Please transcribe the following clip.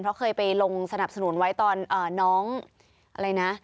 เพราะเคยไปลงสนับสนุนไว้ตอนน้องอะไรนะ